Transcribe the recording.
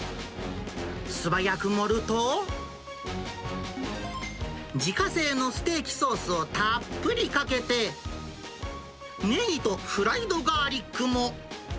素早く盛ると、自家製のステーキソースをたっぷりかけて、ねぎとフライドガーリックも。